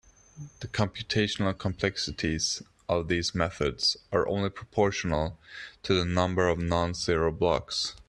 The computational complexities of these methods are only proportional to the number of non-zero blocks.